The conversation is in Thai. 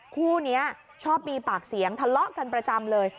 คู่นี้ชอบมีปากเสียงทะเลาะกันประจำเลย